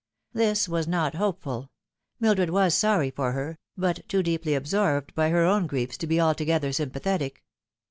This was not hopeful. Mildred was sorry for her, but too deeply absorbed by her own griefs to be altogether sympathetic.